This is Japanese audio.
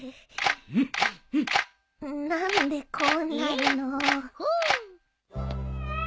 何でこうなるの？